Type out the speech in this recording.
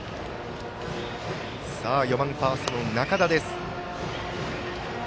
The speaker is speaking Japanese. ４番、ファーストの仲田。